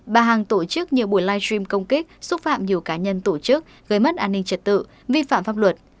bà hằng tổ chức nhiều buổi live stream công kích xúc phạm nhiều cá nhân tổ chức gây mất an ninh trật tự vi phạm pháp luật